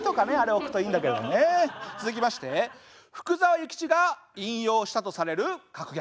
続きまして福澤諭吉が引用したとされる格言。